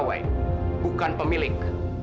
gawai bukan pemilik